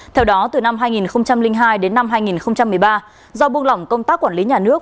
theo đó từ năm hai nghìn hai đến năm hai nghìn một mươi ba do buông lỏng công tác quản lý nhà nước